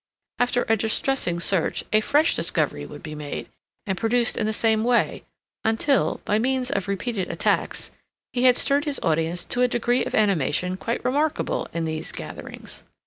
After a distressing search a fresh discovery would be made, and produced in the same way, until, by means of repeated attacks, he had stirred his audience to a degree of animation quite remarkable in these gatherings.